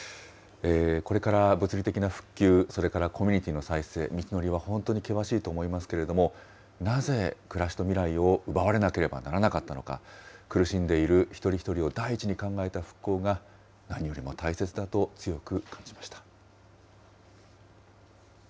これから物理的な復旧、それからコミュニティの再生、道のりは本当に険しいと思いますけれども、なぜ暮らしと未来を奪われなければならなかったのか、苦しんでいる一人一人を第一に考えた復興が何よりも大切だと強く感じました。